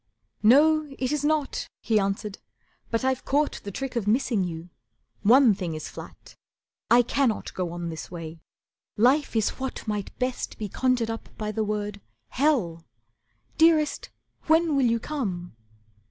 "No, it is not," he answered, "but I've caught The trick of missing you. One thing is flat, I cannot go on this way. Life is what Might best be conjured up by the word: 'Hell'. Dearest, when will you come?"